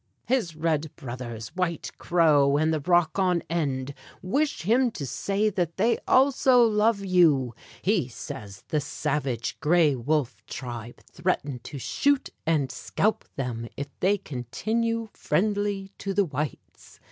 His red brothers, White Crow and the Rock on End, wish him to say that they also love you. He says the savage Gray Wolf tribe threaten to shoot and scalp them if they continue friendly to the whites.